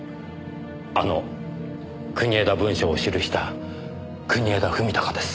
あの国枝文書を記した国枝史貴です。